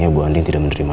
aku mau ikut sama dia